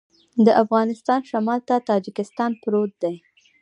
د افغانستان شمال ته تاجکستان پروت دی